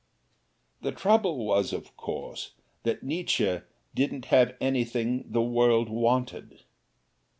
The trouble was, of course, that Nietzsche didn't have anything the world wanted.